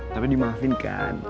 tapi di maafin kan